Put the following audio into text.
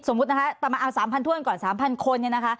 สมมตินะคะประมาณ๓๐๐๐ถ้วนก่อน๓๐๐๐คน